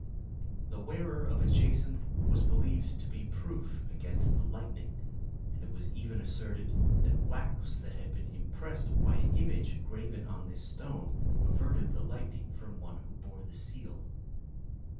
The wearer of a jacinth was believed to be proof against the lightning, and it was even asserted that wax that had been impressed by an image graven on this stone averted the lightning from one who bore the seal.